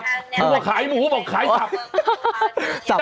คุณผู้ขายหมูบอกขายสับ